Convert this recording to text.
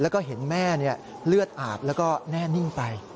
แล้วก็เห็นแม่เลือดอาบแล้วก็แน่นิ่งไป